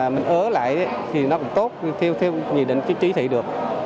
mình ớ lại thì nó cũng tốt theo nhìn định cái chỉ thị được